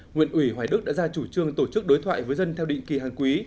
huyện ủy hoài đức đã ra chủ trương tổ chức đối thoại với dân theo định kỳ hàng quý